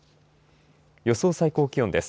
予想最低気温です。